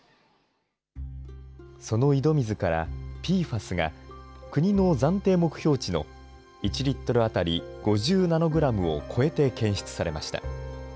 その井戸水から、ＰＦＡＳが国の暫定目標値の１リットル当たり５０ナノグラムを超えて検出されました。